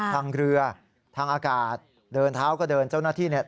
ทางเรือทางอากาศเดินเท้าก็เดินเจ้าหน้าที่เนี่ย